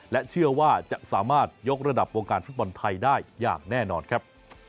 และเชื่อว่าจะสามารถยกระดับวงการฟุตบอลไทยได้อย่างแน่นอนครับ